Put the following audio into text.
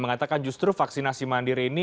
mengatakan justru vaksinasi mandiri ini